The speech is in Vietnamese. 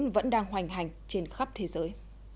vẫn đang hoành hành trên khắp thế giới